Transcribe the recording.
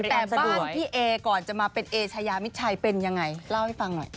แต่บ้านพี่เอก่อนจะมาเป็นเอชายามิดชัยเป็นยังไงเล่าให้ฟังหน่อย